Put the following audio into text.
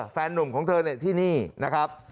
แฟนนุ่มของเธอที่นี่นะครับ